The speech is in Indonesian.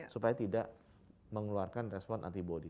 supaya tidak mengeluarkan respon antibody